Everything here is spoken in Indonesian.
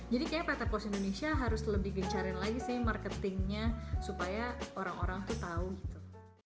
jadi kayaknya pt pos indonesia harus lebih gencarin lagi sih marketingnya supaya orang orang tuh tahu gitu